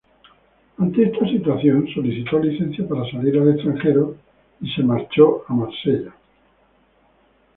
Ante esta situación, solicitó licencia para salir al extranjero y marchó a Marsella.